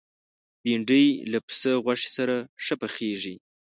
بېنډۍ له پسه غوښې سره ښه پخېږي